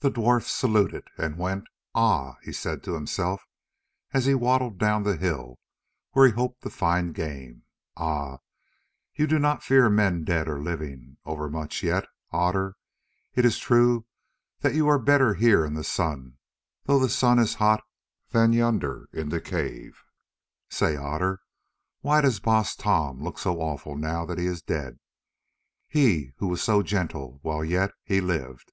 The dwarf saluted and went. "Ah!" he said to himself as he waddled down the hill where he hoped to find game, "ah! you do not fear men dead or living—overmuch; yet, Otter, it is true that you are better here in the sun, though the sun is hot, than yonder in the cave. Say, Otter, why does Baas Tom look so awful now that he is dead—he who was so gentle while yet he lived?